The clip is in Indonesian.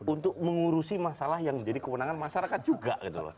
untuk mengurusi masalah yang menjadi kewenangan masyarakat juga gitu loh